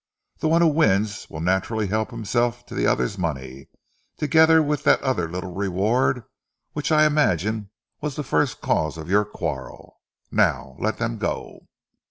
The one who wins will naturally help himself to the other's money, together with that other little reward which I imagine was the first cause of your quarrel. Now... let them go."